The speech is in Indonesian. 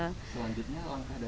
selanjutnya langkah dari